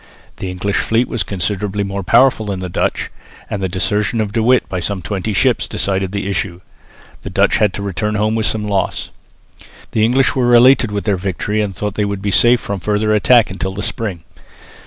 The English fleet was considerably more powerful than the Dutch, and the desertion of De With by some twenty ships decided the issue. The Dutch had to return home with some loss. The English were elated with their victory and thought that they would be safe from further attack until the spring.